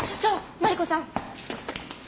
マリコさん！